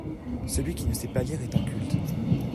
Celui qui ne sait pas lire est inculte.